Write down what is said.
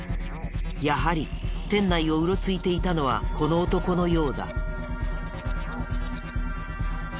やはり店内をうろついていたのはこの男のようだ。